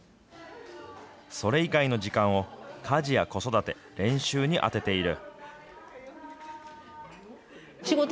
それ以外の時間を家事や子育て、練習に充てている。